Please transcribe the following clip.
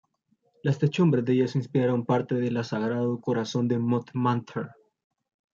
Las techumbres de yeso inspiraron parte de la Sagrado Corazón de Montmartre.